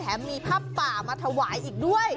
แถมมีภาพป่ามาถวายอีกด้วย